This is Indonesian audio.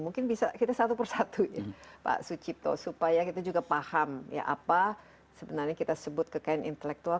mungkin bisa kita satu persatu ya pak sucipto supaya kita juga paham ya apa sebenarnya kita sebut kekayaan intelektual